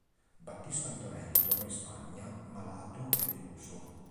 Battista Antonelli tornò in Spagna, malato e deluso.